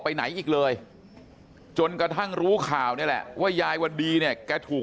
ไปไหนอีกเลยจนกระทั่งรู้ข่าวนี่แหละว่ายายวันดีเนี่ยแกถูก